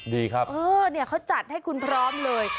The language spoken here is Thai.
ดีครับเออเนี่ยเขาจัดให้คุณพร้อมเลย